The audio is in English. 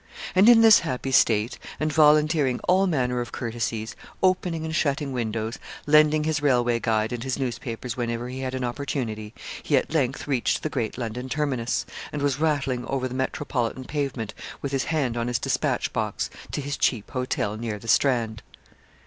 And in this happy state, and volunteering all manner of courtesies, opening and shutting windows, lending his railway guide and his newspapers whenever he had an opportunity, he at length reached the great London terminus, and was rattling over the metropolitan pavement, with his hand on his despatch box, to his cheap hotel near the Strand.